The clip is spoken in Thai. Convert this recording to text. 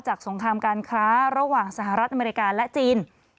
สงครามการค้าระหว่างสหรัฐอเมริกาและจีน